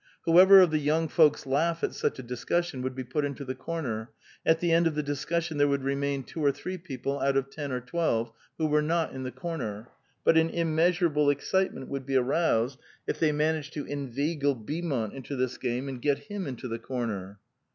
Who ever of the 3*oung folks laugh at such a discussion would be put into the corner ; at the end of the discussion there would remain two or three people out of ten or twelve, who were not in the corner. But an immeasurable excitement would be aroused if the}' managed to inveigle Beaumont into this game, and get him into the corner.